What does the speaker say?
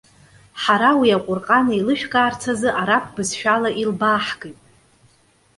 Ҳара уи Аҟәырҟан иеилышәкаарц азы араԥ бызшәала илбааҳгеит.